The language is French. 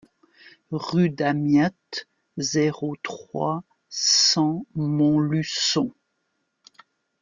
Rue Damiette, zéro trois, cent Montluçon